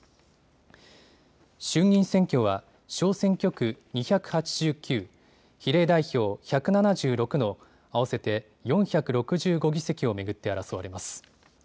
衆議院選挙は小選挙区２８９、比例代表１７６の合わせて４６５議席を巡って争われます。